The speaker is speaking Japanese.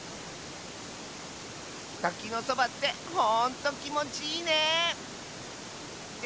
たきのそばってほんときもちいいね！って